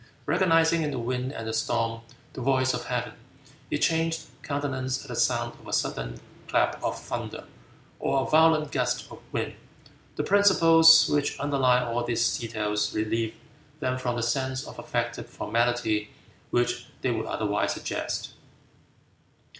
Recognizing in the wind and the storm the voice of Heaven, he changed countenance at the sound of a sudden clap of thunder or a violent gust of wind. The principles which underlie all these details relieve them from the sense of affected formality which they would otherwise suggest.